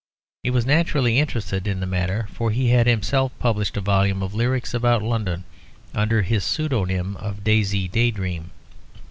He was naturally interested in the matter, for he had himself published a volume of lyrics about London under his pseudonym of "Daisy Daydream."